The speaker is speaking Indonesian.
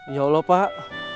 ya allah pak